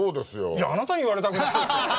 いやあなたに言われたくないですよ。